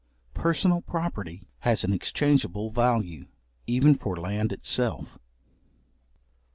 Personal property has an exchangeable value, even for land itself.